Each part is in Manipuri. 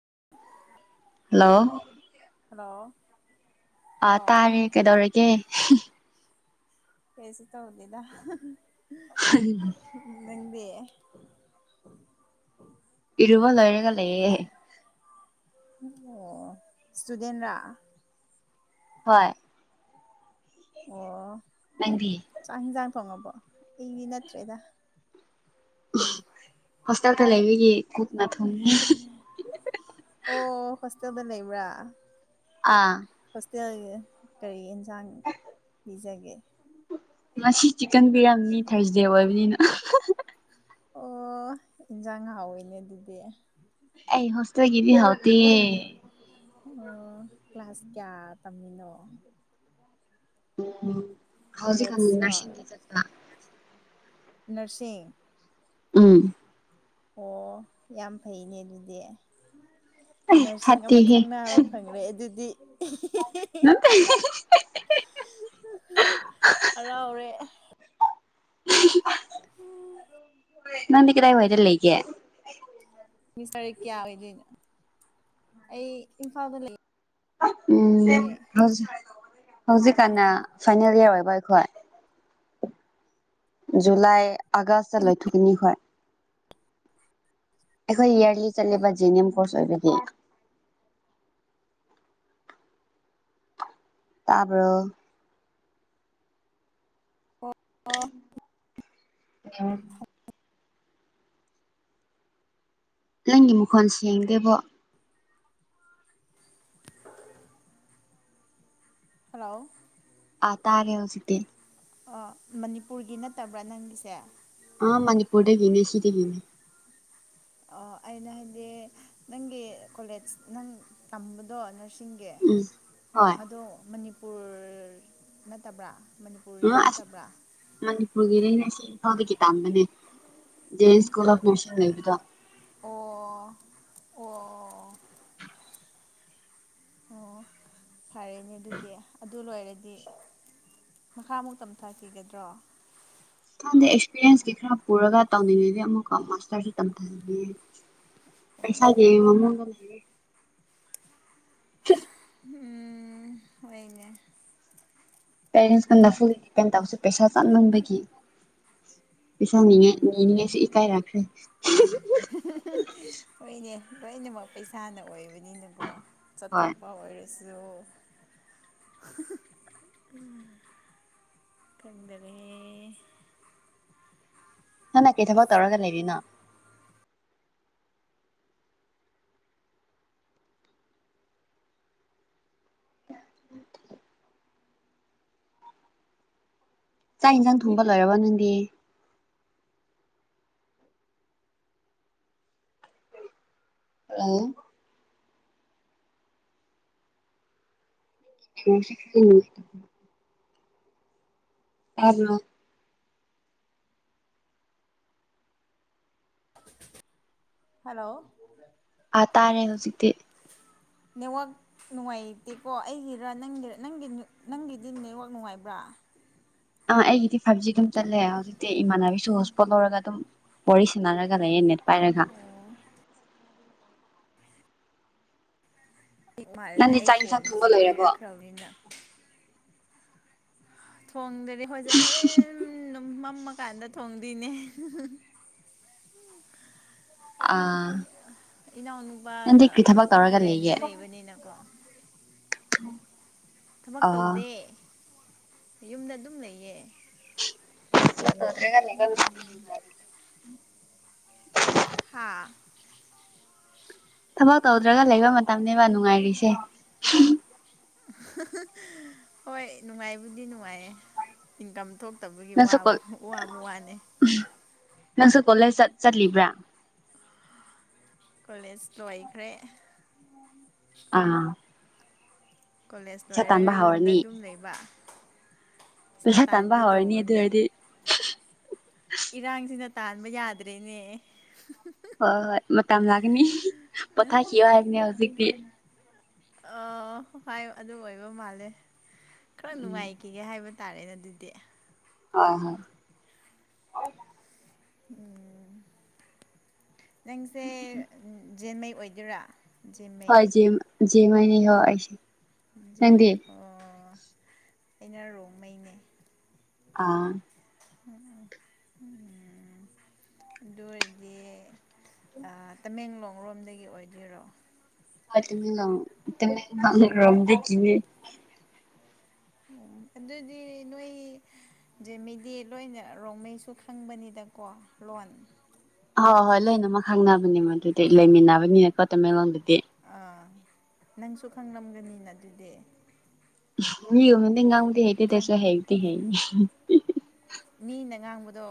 [inaudible] ꯍꯜꯂꯣ ꯍꯜꯂꯣ ꯑ ꯑꯣ ꯇꯥꯔꯦ ꯀꯩꯗꯧꯔꯒꯦ ꯀꯦꯁꯨ ꯇꯧꯗꯦꯗ ꯍ ꯑ [inaudible] ꯏꯔꯨꯕ ꯂꯣꯢꯔꯒ ꯂꯩꯌꯦ ꯑꯣ ꯁꯇꯨꯗꯦꯟ꯭ꯔꯥ ꯍꯣꯏ ꯑꯣ ꯅꯪꯗꯤ ꯐꯪꯉꯕꯣ ꯑꯩꯗꯤ ꯅꯠꯇ꯭ꯔꯦꯗ ꯍꯣꯁꯇꯦꯜꯗ ꯂꯩ ꯔꯤꯒꯤ ꯚꯨꯠꯅꯥ ꯊꯣꯡꯉꯤ ꯅꯊꯟꯗ ꯂꯩꯕ꯭ꯔꯥ ꯑꯥ ꯂꯩꯌꯦ ꯀꯔꯤ ꯑꯦꯟꯁꯥꯡ ꯄꯤꯖꯒꯦ ꯉꯁꯤ ꯆꯤꯛꯀꯟ ꯄꯤꯔꯝꯅꯤ ꯊꯥꯔꯁꯗꯦ ꯑꯣꯏꯕꯅꯤꯅ ꯑꯣ ꯏꯟꯖꯥꯡ ꯍꯥꯎꯋꯦꯅꯦ ꯑꯗꯨꯗꯤ ꯑ ꯍꯣꯁꯇꯦꯜꯒꯤꯗꯤ ꯍꯥꯎꯇꯦ ꯑꯣ ꯀ꯭ꯂꯥꯁ ꯀꯌꯥ ꯇꯝꯃꯤꯅꯣ ꯎ ꯍꯧꯎꯖꯤꯛ ꯑꯃꯨꯛ ꯀꯣꯂꯦꯖꯔꯣ ꯅꯔꯁꯤꯡꯒꯤ ꯆꯠꯄꯥ ꯅ꯭ꯔꯁꯤꯡ ꯎꯝ ꯑꯣ ꯌꯥꯝ ꯐꯩꯅꯦ ꯑꯗꯨꯗꯤ [inaudible] ꯅꯔꯁꯤꯡ ꯑꯃ ꯐꯠꯇꯦꯍꯦ ꯈꯪꯅꯕ ꯐꯪꯂꯦ ꯑꯗꯨꯗꯤ ꯑ ꯍꯨ ꯍꯔꯥꯎꯔꯦ ꯅꯪꯗꯤ ꯀꯗꯥꯏ ꯋꯥꯏꯗ ꯂꯩꯒꯦ ꯁꯃꯤꯁꯇ꯭ꯔ ꯀꯌꯥ ꯑꯣꯏꯒꯦ ꯑꯩ ꯏꯝꯐꯥꯜꯗ ꯂꯩ ꯎꯝ ꯍꯧꯖꯤꯛ ꯍꯧꯖꯤꯛꯀꯥꯟꯅ ꯐꯥꯏꯅꯦꯜ ꯏꯌꯥꯔ ꯑꯣꯏꯕ ꯑꯩꯈꯣꯏ ꯨꯖꯨꯂꯥꯏ ꯑꯒꯁꯇ ꯂꯣꯏꯊꯨꯀꯅꯤ ꯍꯣꯏ ꯑꯩꯈꯣꯏ ꯏꯌꯥꯔꯂꯤ ꯆꯠꯂꯤꯕ ꯖꯦ ꯑꯦꯟ ꯑꯦꯝ ꯀꯣꯔꯁ ꯑꯣꯏꯕꯒꯤ [inaudible] ꯇꯥꯕ꯭ꯔꯣ ꯑꯣ ꯑꯣ [unintelligible] ꯅꯪꯒꯤ ꯃꯈꯣꯟ ꯁꯦꯡꯗꯦꯕꯣ ꯍꯜꯂꯣ ꯑ ꯇꯥꯔꯦ ꯍꯧꯖꯤꯛꯇꯤ ꯑꯣ ꯃꯅꯤꯄꯨꯔꯒꯤ ꯅꯠꯇꯕ꯭ꯔꯥ ꯅꯪꯒꯤꯁꯦ ꯑ ꯃꯅꯤꯄꯨꯔꯗꯒꯤꯅꯦ ꯁꯤꯗꯒꯤꯅꯦ ꯑꯣ ꯑꯩꯅ ꯍꯥꯏꯗꯤ ꯅꯪꯒꯤ ꯀꯣꯂꯦꯖ ꯅꯪ ꯇꯝꯕꯗꯣ ꯅꯔꯁ ꯁꯤꯡꯒꯤ ꯎꯝ ꯍꯣꯏ ꯑꯗꯣ ꯃꯅꯤꯄꯨꯔ ꯅꯠꯇꯕ꯭ꯔꯥ ꯃꯅꯤꯄꯨꯔꯗ ꯉꯑꯁ ꯅꯠꯇꯕ꯭ꯔꯥ ꯃꯅꯤꯄꯨꯔꯒꯤꯅꯦ ꯑꯩꯅ ꯁꯤ ꯐꯥꯎꯗꯒꯤ ꯇꯝꯕꯅꯦ ꯗꯦ ꯏꯁꯀꯣꯂꯔ ꯈꯣꯢꯁꯨ ꯂꯩꯕꯗꯣ ꯑꯣ ꯑꯣ [inaudible] ꯑꯣ ꯐꯌꯦꯅꯦ ꯑꯗꯨꯗꯤ ꯑꯗꯨ ꯂꯣꯏꯔꯗꯤ ꯃꯈꯥ ꯑꯃꯨꯛ ꯇꯝꯊꯥꯈꯤꯒꯗ꯭ꯔꯣ ꯈꯪꯗꯦ ꯑꯦꯛꯁꯄꯤꯔꯤꯌꯦꯟꯁꯀꯤ ꯈꯔ ꯄꯨꯔꯒ ꯇꯧꯅꯤꯡꯉꯦꯗꯤ ꯑꯃꯨꯛꯀ ꯃꯥꯁꯇꯔꯁ ꯇꯝꯊꯅꯤꯡꯉꯦ ꯑꯣ ꯄꯩꯁꯥꯒꯤ ꯃꯑꯣꯟꯗ ꯂꯩꯌꯦ ꯆꯠ ꯎꯝ ꯍꯣꯏꯅꯦ ꯀꯩꯅꯣ ꯁꯥꯟꯅꯐꯨꯜ ꯑꯦꯝ ꯇꯧꯕꯁꯦ ꯄꯩꯁꯥ ꯀꯥꯟꯃꯟꯕꯒꯤ ꯄꯩꯁꯥ ꯅꯤꯉꯥꯏ ꯎꯝ ꯅꯤꯅꯤꯉꯥꯏꯁꯨ ꯏꯀꯥꯏ ꯔꯛꯈ꯭ꯔꯦ ꯍꯣꯏꯅꯦ ꯂꯣꯏꯅꯃꯛ ꯄꯩꯁꯥꯅ ꯑꯣꯏꯕ ꯅꯤꯅꯀꯣ ꯍꯣꯏ ꯆꯠꯊꯣꯛꯄ ꯑꯣꯏꯔꯦ ꯁꯣ ꯍ ꯍ ꯍ ꯈꯪꯗꯔꯦ ꯅꯪꯅ ꯀꯩ ꯊꯕꯛ ꯇꯧꯔꯒ ꯂꯩꯔꯤꯅꯣ [inaudible] ꯆꯥꯛ ꯏꯟꯁꯥꯡ ꯊꯣꯡꯕ ꯂꯣꯏꯔꯕ ꯅꯪꯗꯤ ꯂꯩ [unintelligible] ꯇꯥꯕ꯭ꯔꯣ ꯍꯜꯂꯣ ꯑꯥ ꯇꯥꯔꯦ ꯍꯧꯖꯤꯛꯇꯤ ꯅꯦꯠꯋꯥꯛ ꯅꯨꯡꯉꯥꯏꯇꯦꯀꯣ ꯑꯩꯒꯤꯔ ꯅꯪꯒꯤꯔ ꯅꯪꯒꯤ ꯅꯪꯒꯤꯗꯤ ꯅꯦꯠꯋꯥꯛ ꯅꯨꯡꯉꯥꯏꯕ꯭ꯔꯥ ꯑꯥ ꯑꯩꯒꯤꯗꯤ ꯐꯥꯏꯚ ꯖꯤ ꯑꯗꯨꯝ ꯆꯠꯂꯦ ꯍꯧꯖꯤꯛꯇꯤ ꯏꯃꯥꯟꯅꯕꯤꯁꯨ ꯍꯣꯁꯄꯣꯠ ꯂꯧꯔꯒ ꯑꯗꯨꯝ ꯋꯥꯔꯤ ꯁꯥꯟꯅꯔꯒ ꯂꯩꯌꯦ ꯅꯦꯠ ꯄꯥꯏꯔꯒ ꯑꯣ ꯍꯤ ꯃꯥꯜꯂꯦꯅꯦ ꯅꯪꯗꯤ ꯑꯩ ꯆꯥꯛ ꯏꯟꯁꯥꯡ ꯊꯣꯡꯕ ꯐꯣꯟꯁꯤꯁꯨ ꯂꯣꯏꯔꯕꯣ ꯀꯨꯏꯔꯛꯈ꯭ꯔꯕꯅꯤꯅ ꯊꯣꯡꯗ꯭ꯔꯤ ꯍꯣꯏꯁꯦ ꯍꯣꯔꯦꯟ ꯅꯨꯡ ꯃꯝꯃꯀꯥꯟꯗ ꯊꯣꯡꯗꯣꯏꯅꯦ ꯑꯥ ꯅꯪꯗꯤ ꯏꯅꯥꯎꯅꯨꯄꯥꯒ ꯀꯔꯤ ꯊꯕꯛ ꯇꯧꯔꯒ ꯔꯦꯟꯠꯇ ꯂꯩꯒꯦ ꯂꯩꯕꯅꯤꯅꯀꯣ [inaudible] ꯊꯕꯛ ꯑꯥ ꯇꯧꯗꯦ ꯌꯨꯝꯗ ꯑꯗꯨꯝ ꯂꯩꯌꯦ [unintelligible] ꯍꯥꯥ ꯊꯕꯛ ꯇꯧꯗ꯭ꯔꯒ ꯂꯩꯕ ꯃꯇꯝꯅꯦꯕ ꯅꯨꯡꯉꯥꯏꯔꯤꯁꯦ ꯍꯣꯏ ꯅꯨꯡꯉꯥꯏꯕꯨꯗꯤ ꯅꯨꯡꯉꯥꯏꯌꯦ ꯏꯟꯀꯝ ꯊꯣꯛ ꯇꯕꯒꯤ ꯅꯪꯁꯨ ꯋꯥꯕ ꯀꯣꯜ ꯋꯥꯕ ꯋꯥꯅꯤ ꯅꯪꯁꯨ ꯀꯣꯂꯦꯖ ꯆꯠ ꯆꯠꯂꯤꯕ꯭ꯔꯥ ꯀꯣꯂꯦꯖ ꯂꯣꯏꯈ꯭ꯔꯦ ꯑꯥ ꯀꯣꯂꯦꯖ ꯄꯩꯁꯥ ꯂꯣꯏꯔꯒ ꯇꯥꯟꯕ ꯌꯨꯝꯗ ꯍꯧꯔꯅꯤ ꯑꯗꯨꯝ ꯂꯩꯕ ꯄꯩꯁꯥ ꯇꯥꯟꯕ ꯇꯥꯟꯒꯦ ꯍꯧꯔꯅꯤ ꯑꯗꯨ ꯇꯧꯕꯅꯦ ꯑꯣꯏꯔꯗꯤ ꯏꯔꯥꯡꯁꯤꯅ ꯇꯥꯟꯕ ꯌꯥꯗ꯭ꯔꯦꯅꯦ ꯍꯣꯏ ꯍꯣꯏ ꯃꯇꯝ ꯂꯥꯛꯒꯤꯅꯤ ꯄꯣꯊꯥꯈꯤꯌꯣ ꯍꯥꯏꯕꯅꯦ ꯍꯧꯖꯤꯛꯇꯤ ꯑꯥ ꯍꯣꯏ ꯑꯗꯨ ꯑꯣꯏꯕ ꯃꯥꯜꯂꯦ ꯈꯔ ꯎꯝ ꯅꯨꯡꯉꯥꯏꯈꯤꯒꯦ ꯍꯥꯏꯕ ꯇꯥꯔꯦ ꯑꯗꯨꯗꯤ ꯍꯣꯏ ꯍꯣꯏ ꯎꯝ ꯅꯪꯁꯦ ꯖꯦꯟꯃꯩ ꯑꯣꯏꯗꯣꯏꯔꯥ ꯖꯦꯟꯃꯩ ꯍꯣꯏ ꯖꯦꯃ ꯖꯦꯃꯩ ꯅꯤꯀꯣ ꯑꯩꯁꯦ ꯅꯪꯗꯤ ꯑꯣ ꯑꯩꯅ ꯔꯣꯡꯃꯩꯅꯦ ꯑꯥ ꯎꯝ ꯗꯨꯑꯣꯏꯔꯗꯤ ꯑ ꯇꯃꯦꯡꯂꯣꯡ ꯔꯣꯝꯗꯒꯤ ꯑꯣꯏꯗꯣꯏꯔꯣ ꯍꯣꯏ ꯇꯃꯦꯡꯂꯣꯡ ꯇꯃꯦꯡꯂꯣꯡ ꯑꯟꯗꯔ ꯒꯔꯥꯎꯟꯗꯒꯤꯅꯦ [inaudible] ꯎꯝ ꯑꯗꯨꯗꯤ ꯅꯣꯏ ꯖꯦꯃꯤꯗꯤ ꯂꯣꯏꯅ ꯔꯣꯡꯃꯩꯁꯨ ꯈꯪꯕꯅꯤꯗꯀꯣ ꯂꯣꯟ ꯍꯣꯏ ꯍꯣꯏ ꯂꯣꯏꯅꯃꯛ ꯈꯪꯅꯕꯅꯦ ꯃꯗꯨꯗꯤ ꯂꯩꯃꯤꯟꯅꯕꯅꯤꯅꯀꯣ ꯇꯃꯦꯡꯂꯣꯡꯗꯗꯤ ꯑꯥ ꯅꯪꯁꯨ ꯈꯪꯂꯝꯒꯅꯤꯅ ꯑꯗꯨꯗꯤ ꯃꯤꯒꯨꯝꯅꯗꯤ ꯉꯥꯡꯕꯗꯤ ꯍꯩꯇꯦ ꯈꯪ ꯇꯥꯁꯨ ꯍꯩꯕꯨꯗꯤ ꯍꯩ ꯃꯤꯅ ꯉꯥꯡꯕꯗꯣ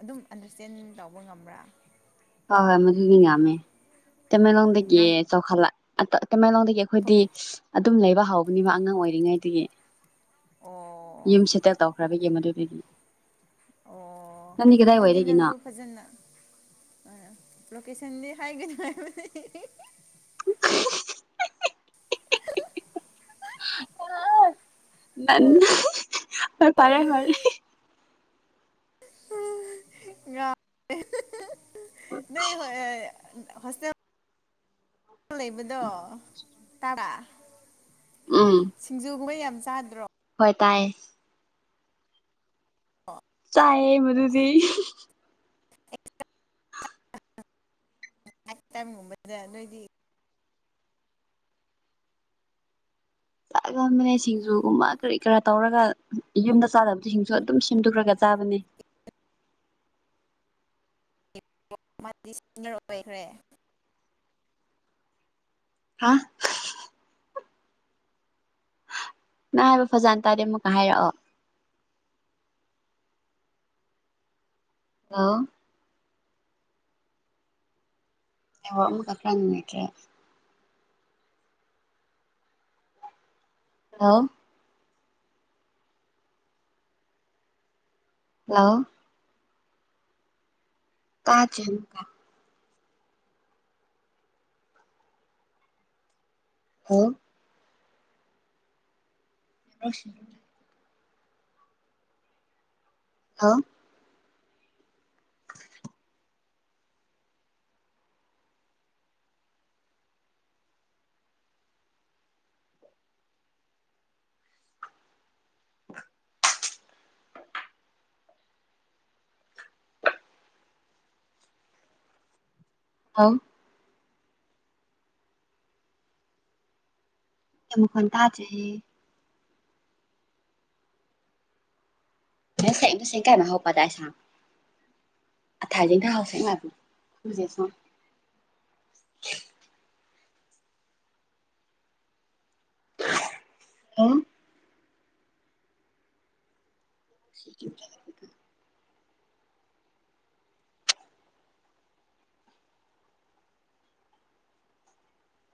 ꯑꯗꯨꯝ ꯑꯟꯗꯔꯁꯇꯦꯟ ꯇꯧꯕ ꯉꯝꯕ꯭ꯔꯥ ꯍꯣꯏ ꯍꯣꯏ ꯃꯗꯨꯗꯤ ꯉꯃꯦ ꯇꯃꯦꯡꯂꯣꯡꯗꯒꯤ ꯉꯥꯡ ꯆꯥꯎꯈꯠꯂ ꯇꯃꯦꯡꯂꯣꯡꯗꯒꯤ ꯑꯩꯈꯣꯏꯗꯤ ꯑꯗꯨꯝ ꯂꯩꯕ ꯍꯥꯎꯧꯕꯅꯦꯕ ꯑꯉꯥꯡ ꯑꯣꯏꯔꯤꯉꯩꯗꯒꯤ ꯑꯣ ꯌꯨꯝ ꯁꯦꯇꯦꯜ ꯇꯧꯈ꯭ꯔꯕꯒꯤ ꯃꯗꯨꯗꯤ ꯑꯣ ꯑꯗꯨꯗꯤ ꯅꯪꯁꯨ ꯐꯖꯅ ꯑ ꯂꯣꯀꯦꯁꯟꯗꯤ ꯍꯥꯏꯒꯅꯨ ꯍꯥꯏꯕꯅꯦ ꯅꯪ ꯍꯣꯏ ꯐꯔꯦ ꯐꯔꯦ ꯎꯡ ꯌꯥ ꯅꯦ ꯍꯣꯏ ꯍꯣꯁꯇꯦꯜ ꯂꯩꯕꯗꯣ ꯇꯕꯔꯥ ꯎꯝ ꯁꯤꯡꯖꯨꯒꯨꯝꯕ ꯌꯥꯝ ꯆꯥꯗ꯭ꯔꯣ ꯍ ꯇꯥꯏ ꯆꯥꯌꯦ ꯃꯗꯨꯗꯤ [unintelligible] ꯆꯥꯒꯕꯅꯦ ꯁꯤꯡꯖꯨꯒꯨꯝꯕ ꯀꯔꯤ ꯀꯔꯥ ꯇꯧꯔꯒ ꯌꯨꯝꯗ ꯆꯥꯗꯕꯗꯨ ꯁꯤꯡꯁꯨ ꯑꯗꯨꯝ ꯁꯦꯝꯗꯣꯛꯈ꯭ꯔꯒ ꯆ ꯆꯥꯕꯅꯤ ꯃꯥꯗꯤ ꯁꯅꯤꯌꯔ ꯑꯣꯏꯈ꯭ꯔꯦ ꯍꯥ ꯅ ꯍꯥꯏꯕ ꯐꯖꯅ ꯇꯥꯗꯦ ꯑꯃꯨꯛꯀ ꯍꯥꯏꯔꯛꯑꯣ ꯑ ꯑ ꯑꯃꯨ ꯀ ꯈꯉꯇ꯭ꯔꯦ ꯍꯜꯂꯣ ꯍꯜꯂꯣ ꯥꯇꯥꯗꯦ ꯑꯃꯨꯛꯀ ꯍꯂꯣ ꯑꯁ ꯍꯂꯣ [unintelligible] [unintelligible] ꯍꯥꯎ ꯌꯥꯝ ꯃꯈꯣꯟ ꯇꯥꯗꯤꯌꯦ [unintelligible] [unintelligible] ꯍꯂꯣ [unintelligible]